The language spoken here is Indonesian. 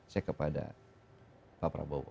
cek kepada pak prabowo